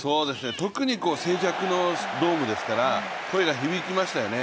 特に静寂のドームですから声が響きましたよね。